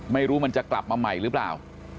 ไม่รู้มันจะกลับมาใหม่หรือเปล่า